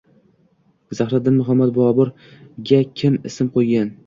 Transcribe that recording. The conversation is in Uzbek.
Zahiriddin Muhammad Boburga kim ism qo‘ygan?